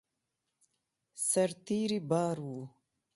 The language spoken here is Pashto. سرتېري بار وو.